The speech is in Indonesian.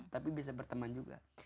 tapi bisa berteman juga